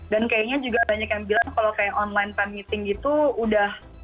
dan kayaknya juga banyak yang bilang kalau kayak online fan meeting gitu udah